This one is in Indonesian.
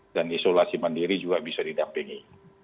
dan isolasi mandiri juga bisa didampingi